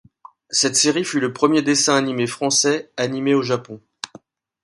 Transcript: Cette série fut le premier dessin animé français animé au japon.